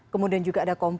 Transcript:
kemudian juga ada komisi